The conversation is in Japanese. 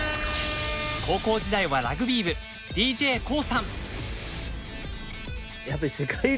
高校時代はラグビー部ＤＪＫＯＯさん。